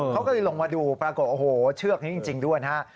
เขาก็เลยลงมาดูปรากฏโอ้โหเชือกนี้จริงด้วยนะฮะ